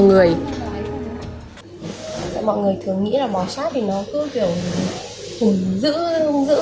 mọi người thường nghĩ là bò sát thì nó cứ kiểu giữ giữ